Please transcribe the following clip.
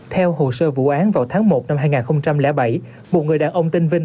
theo hồ sơ vụ án vào tháng một năm hai nghìn bảy một người đàn ông tên vinh